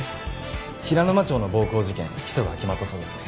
平沼町の暴行事件起訴が決まったそうですね。